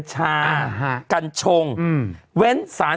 ถูกต้องถูกต้อง